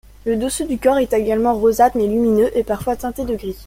Le dessous du corps est également rosâtre mais lumineux et parfois teinté de gris.